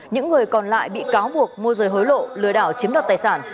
những người còn lại bị cáo buộc mua rời hối lộ lừa đảo chiếm đoạt tài sản